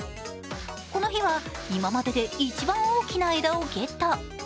この日は今までで一番大きな枝をゲット。